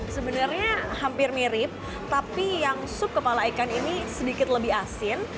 sebenarnya hampir mirip tapi yang sup kepala ikan ini sedikit lebih asin